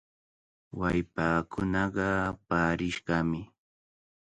Wallpaakunaqa paarishqami.